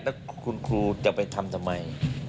แล้วคุณครูจะไปทำทำไม